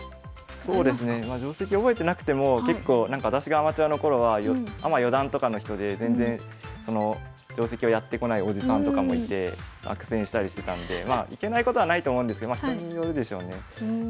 そうですねまあ定跡覚えてなくても私がアマチュアの頃はアマ四段とかの人で全然定跡をやってこないおじさんとかもいて苦戦したりしてたのでいけないことはないと思うんですけど人によるでしょうね。